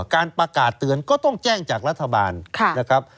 การประกาศเตือนก็ต้องแจ้งจากรัฐบาลนะครับ